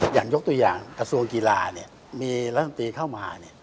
อย่างยกตัวอย่างกระทรวงกีฬาเนี่ยมีระทรวงตีเข้ามาเนี่ย